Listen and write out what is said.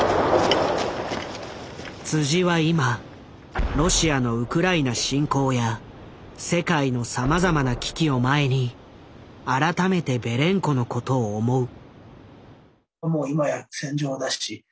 は今ロシアのウクライナ侵攻や世界のさまざまな危機を前に改めてベレンコのことを思う。